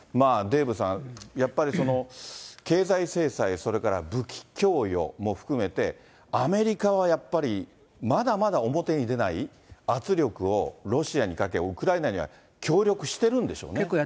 デーブさん、やっぱり経済制裁、それから武器供与も含めて、アメリカはやっぱりまだまだ表に出ない、圧力をロシアにかけ、ウクライナには協力してるんでしょうね。